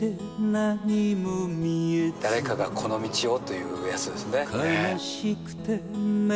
誰かがこの道をというやつですね。